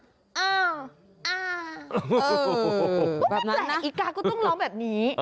เออแบบนั้นนะไม่แปลกอิกาก็ต้องร้องแบบนี้